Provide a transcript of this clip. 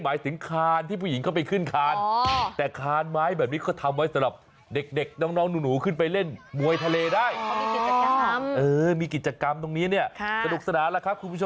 อันนี้คือนอนแช่โครนภ่องทราย